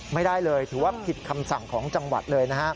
ไม่ได้เลยถือว่าผิดคำสั่งของจังหวัดเลยนะฮะ